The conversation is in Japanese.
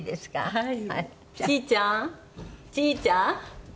はい。